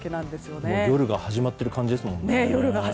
もう夜が始まってる感じですものね。